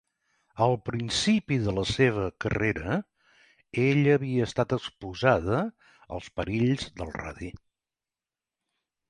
Al principi de la seva carrera, ella havia estat exposada als perills del radi.